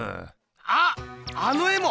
あっあの絵も！